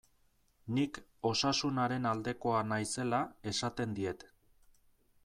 Nik Osasunaren aldekoa naizela esaten diet.